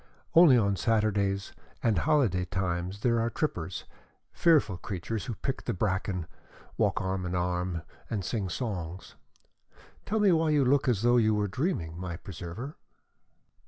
Only on Saturdays and holiday times there are trippers, fearful creatures who pick the bracken, walk arm in arm, and sing songs. Tell me why you look as though you were dreaming, my preserver?"